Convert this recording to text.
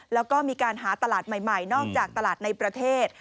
แล้วก็มีการหาตลาดใหม่นอกจากตลาดในประเทศ